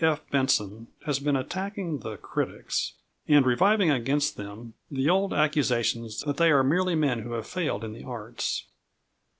F. Benson has been attacking the critics, and reviving against them the old accusation that they are merely men who have failed in the arts.